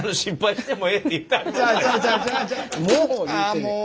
「もう」言うてるやん。